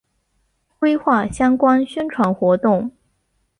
规划相关宣传活动